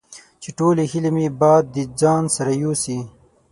چې ټولې هیلې مې باد د ځان سره یوسي